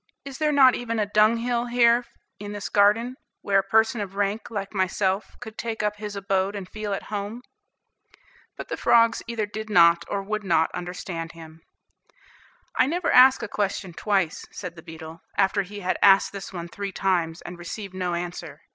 Is there not even a dunghill here in this garden, where a person of rank, like myself, could take up his abode and feel at home?" But the frogs either did not or would not understand him. "I never ask a question twice," said the beetle, after he had asked this one three times, and received no answer.